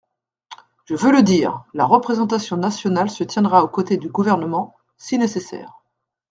Je veux le dire : la représentation nationale se tiendra aux côtés du Gouvernement, si nécessaire.